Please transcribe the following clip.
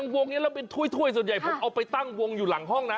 วงนี้แล้วเป็นถ้วยส่วนใหญ่ผมเอาไปตั้งวงอยู่หลังห้องนะ